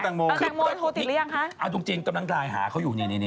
เอาเรื่องตังโมเรื่องตังโมเอาตังโมโทรติดหรือยังฮะ